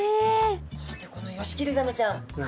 そしてこのヨシキリザメちゃん。